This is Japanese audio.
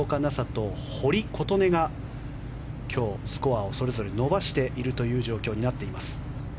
紗と堀琴音が今日、スコアをそれぞれ伸ばしているという状況になっています。